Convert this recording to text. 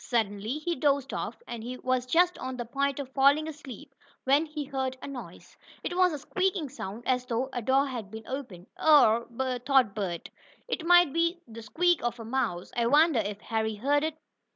Suddenly he dozed off, and he was just on the point of falling asleep, when he heard a noise. It was a squeaking sound, as though a door had been opened. "Or," thought Bert, "it might be the squeak of a mouse. I wonder if Harry heard it?"